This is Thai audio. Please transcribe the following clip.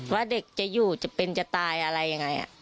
ว่าเด็กจะอยู่จะเป็นจะตายอะไรยังไง